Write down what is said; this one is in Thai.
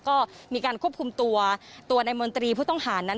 ก็มีการควบคุมตัวตัวในมนตรีผู้ต้องหานั้น